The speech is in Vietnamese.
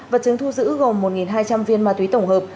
vật chứng thu giữ gồm một hai trăm linh viên ma túy tổng hợp